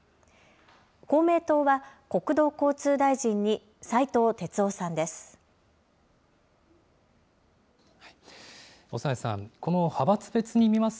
公明党は、国土交通大臣に斉藤鉄夫さんです。